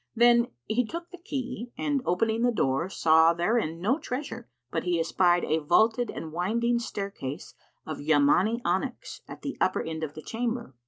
Then he took the key and, opening the door,[FN#50] saw therein no treasure but he espied a vaulted and winding staircase of Yamani onyx at the upper end of the chamber.